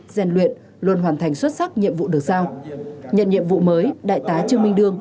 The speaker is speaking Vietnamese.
rèn luyện luôn hoàn thành xuất sắc nhiệm vụ được giao nhận nhiệm vụ mới đại tá trương minh đương